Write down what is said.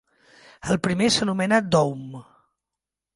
El primer s'anomena "doum".